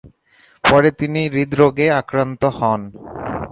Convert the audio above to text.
পরে তিনি হৃদরোগে আক্রান্ত হন।